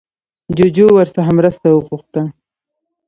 جوجو ورڅخه مرسته وغوښته